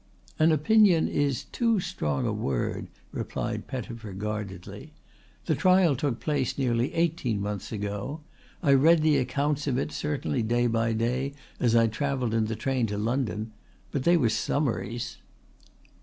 "An opinion is too strong a word," replied Pettifer guardedly. "The trial took place nearly eighteen months ago. I read the accounts of it certainly day by day as I travelled in the train to London. But they were summaries."